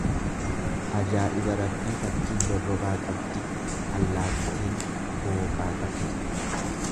Ajaa'iba Rabbii tafkiin dorrobaa qabdi allaattin booqaa qabdi.